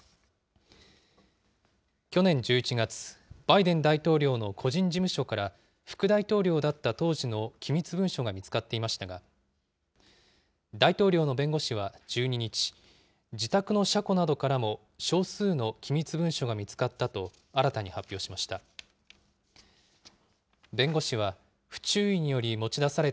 去年１１月、バイデン大統領の個人事務所から、副大統領だった当時の機密文書が見つかっていましたが、大統領の弁護士は１２日、自宅の車庫などからも少数の機密文書が見つかったと、新たに発表しました。